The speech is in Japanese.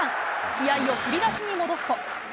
試合を振り出しに戻すと。